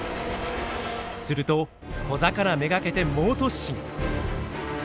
すると小魚目がけて猛突進。